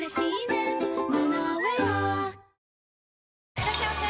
いらっしゃいませ！